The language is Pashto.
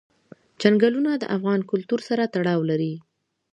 چنګلونه د افغان کلتور سره تړاو لري.